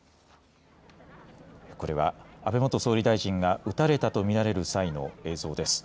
これは安倍元総理大臣が撃たれたと見られる際の映像です。